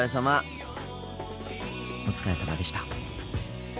お疲れさまでした。